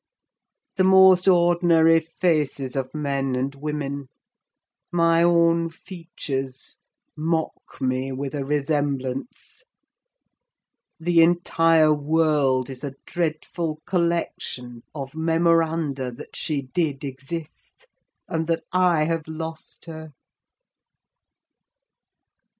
The most ordinary faces of men and women—my own features—mock me with a resemblance. The entire world is a dreadful collection of memoranda that she did exist, and that I have lost her!